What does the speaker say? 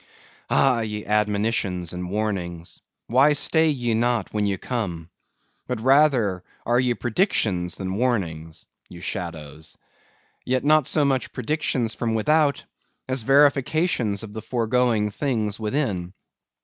Ah, ye admonitions and warnings! why stay ye not when ye come? But rather are ye predictions than warnings, ye shadows! Yet not so much predictions from without, as verifications of the foregoing things within.